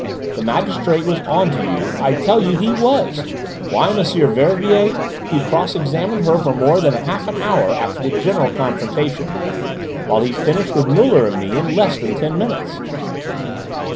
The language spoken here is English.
The magistrate was on to you: I tell you he was! Why, M. Verbier, he cross examined her for more than half an hour after the general confrontation, while he finished with Muller and me in less than ten minutes."